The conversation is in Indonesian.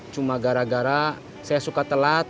cuma gara gara saya suka telat